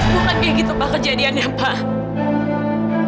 bukan kayak gitu pak kejadiannya pak